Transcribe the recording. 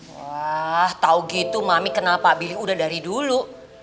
wah tau gitu mami kenal pak billy udah dari dulu